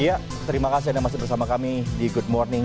iya terima kasih anda masih bersama kami di good morning